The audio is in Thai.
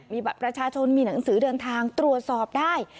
มีบัตรประชาชนมีหนังสือเดินทางตรวจสอบได้